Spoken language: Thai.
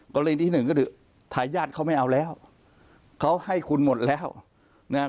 กรณีที่หนึ่งก็คือทายาทเขาไม่เอาแล้วเขาให้คุณหมดแล้วนะครับ